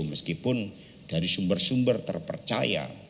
meskipun dari sumber sumber terpercaya